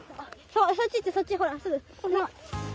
そっち行った、そっち、ほら。